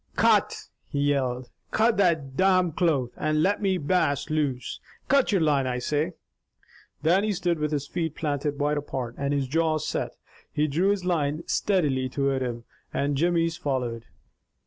"Cut!" he yelled. "Cut that domn cable, and let me Bass loose! Cut your line, I say!" Dannie stood with his feet planted wide apart, and his jaws set. He drew his line steadily toward him, and Jimmy's followed.